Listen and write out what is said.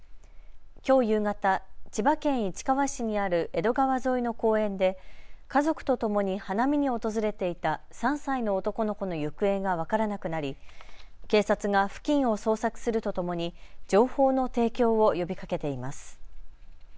きょう夕方、千葉県市川市にある江戸川沿いの公園で家族とともに花見に訪れていた３歳の男の子の行方が分からなくなり警察が付近を捜索するとともに情報の提供を呼びかけています。